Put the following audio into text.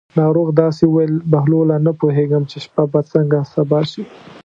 ناروغ داسې وویل: بهلوله نه پوهېږم چې شپه به څنګه سبا شي.